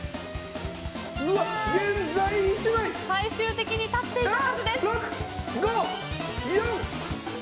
最終的に立っていた数です。